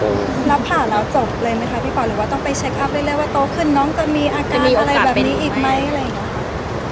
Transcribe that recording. หรือว่าต้องไปแชคอัพเรื่อยว่าโต๊ะขึ้นน้องก็มีอากาศอะไรแบบนี้อีกไหม